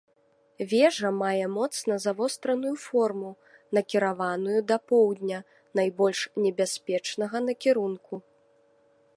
Вежа мае моцна завостраную форму, накіраваную да поўдня, найбольш небяспечнага накірунку.